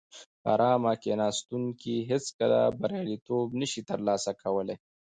په ارامه کیناستونکي هیڅکله بریالیتوب نشي ترلاسه کولای.